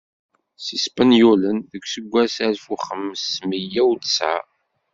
S Yispenyulen deg useggas alef u xems mya u tesɛa.